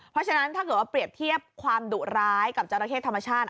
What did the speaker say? เพราะฉะนั้นถ้าเกิดว่าเปรียบเทียบความดุร้ายกับจราเข้ธรรมชาติ